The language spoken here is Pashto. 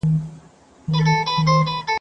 زه به سبا کتابتون ته ځم وم؟!